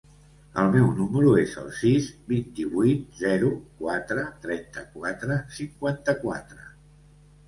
El meu número es el sis, vint-i-vuit, zero, quatre, trenta-quatre, cinquanta-quatre.